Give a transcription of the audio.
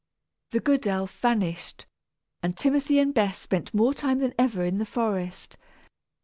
The good elf vanished, and Timothy and Bess spent more time than ever in the forest.